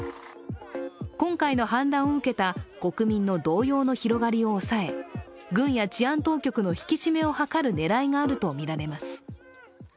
今回の反乱を受けた国民の動揺の広がりを抑え、軍や治安当局の引き締めを図る狙いがあるとみられます。